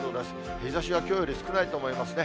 日ざしはきょうより少ないと思いますね。